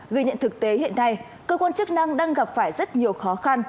ghi nhận thực tế hiện nay cơ quan chức năng đang gặp phải rất nhiều khó khăn